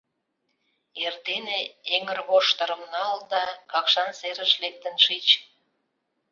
Эрдене эҥырвоштырым нал да Какшан серыш лектын шич.